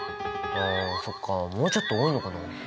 あそっかもうちょっと多いのかな。